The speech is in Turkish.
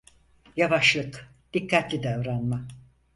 Yavaşlık, dikkatli davranma.